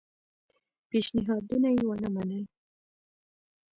پېشنهادونه یې ونه منل.